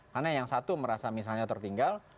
karena yang satu merasa misalnya tertinggal